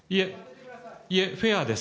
いえ、フェアです。